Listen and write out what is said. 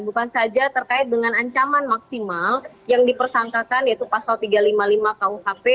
bukan saja terkait dengan ancaman maksimal yang dipersangkakan yaitu pasal tiga ratus lima puluh lima kuhp